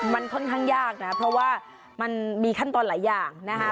มันค่อนข้างยากนะเพราะว่ามันมีขั้นตอนหลายอย่างนะคะ